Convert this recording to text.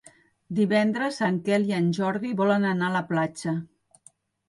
Divendres en Quel i en Jordi volen anar a la platja.